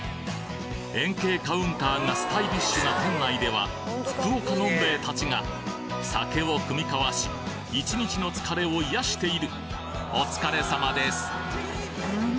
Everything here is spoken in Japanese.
円形カウンターがスタイリッシュな店内では福岡呑んべえたちが酒を酌み交わし１日の疲れを癒やしているお疲れさまです！